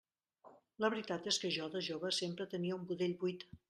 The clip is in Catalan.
La veritat és que jo, de jove, sempre tenia un budell buit.